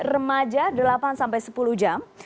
remaja delapan sampai sepuluh jam